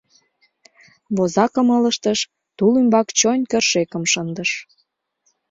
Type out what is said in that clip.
Возакым ылыжтыш, тул ӱмбак чойн кӧршӧкым шындыш.